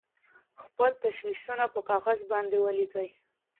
خپل تشویشونه په کاغذ باندې ولیکئ.